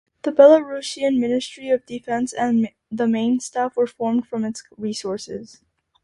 The Belarusian Ministry of Defence and the Main Staff were formed from its resources.